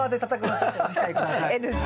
ＮＧ。